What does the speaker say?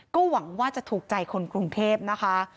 ก็หวังว่าจะถูกใจคนกรุงเทพนะคะ